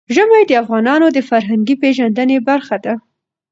ژمی د افغانانو د فرهنګي پیژندنې برخه ده.